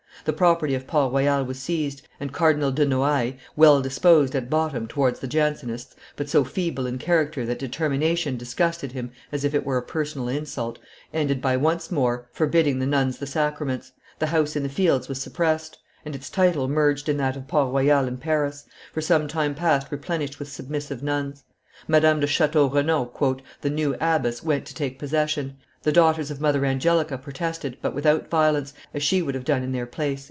The property of Port Royal was seized, and Cardinal de Noailles, well disposed at bottom towards the Jansenists, but so feeble in character that determination, disgusted him as if it were a personal insult, ended by once more forbidding the nuns the sacraments; the house in the Fields was surpressed, and its title merged in that of Port Royal in Paris, for some time past replenished with submissive nuns. Madame de Chateau Renaud, "the new abbess, went to take possession; the daughters of Mother Angelica protested, but without violence, as she would have done in their place."